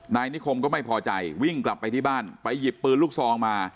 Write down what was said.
นายนิคมก็ไม่พอใจวิ่งกลับไปที่บ้านไปหยิบปืนลูกซองมา